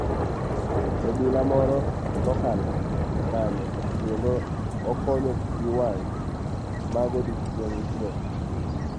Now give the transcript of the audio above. Obila moro nokalo kanyo kendo okonye pii wang' magodiochieng' go.